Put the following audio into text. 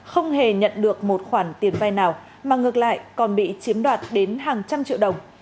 không hề nhận được một khoản tiền vai nào mà ngược lại còn bị chiếm đoạt đến hàng trăm triệu đồng